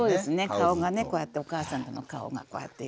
顔がねこうやってお母さんの顔がこうやって。